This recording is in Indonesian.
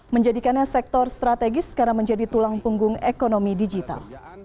menjadikannya sektor strategis karena menjadi tulang punggung ekonomi digital